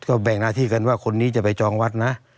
ก็แบ่งหน้าที่กันว่าคนนี้จะไปจองวัดนะ